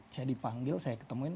saya dipanggil saya ketemuin